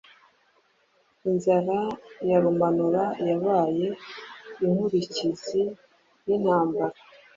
inzara ya Rumanura yabaye inkurikizi y'intambara